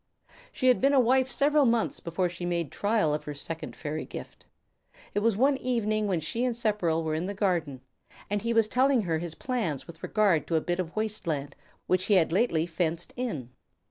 She had been a wife several months before she made trial of her second fairy gift. It was one evening when she and Sepperl were in their garden, and he was telling her his plans with regard to a bit of waste land which he had lately fenced in.